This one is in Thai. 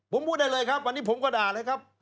ผมพูดได้เลยครับวันนี้ผมก็ด่าเลยครับ